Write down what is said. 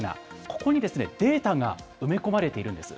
ここにデータが埋め込まれているんです。